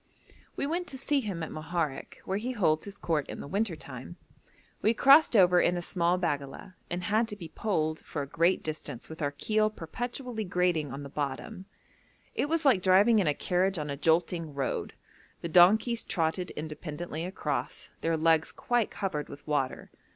We went to see him at Moharek, where he holds his court in the winter time. We crossed over in a small baggala, and had to be poled for a great distance with our keel perpetually grating on the bottom. It was like driving in a carriage on a jolting road; the donkeys trotted independently across, their legs quite covered with water.